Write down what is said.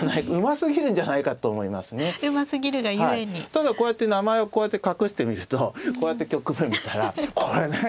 ただこうやって名前をこうやって隠してみるとこうやって局面見たら「これ何？